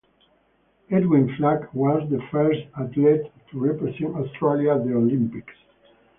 Edwin Flack was the first athlete to represent Australia at the Olympics.